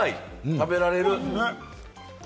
食べられる。